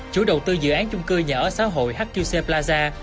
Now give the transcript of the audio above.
chủ đầu tư dự án chung cư nhà ở xã hội hk plaza